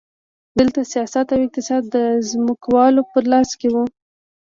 دلته سیاست او اقتصاد د ځمکوالو په لاس کې وو.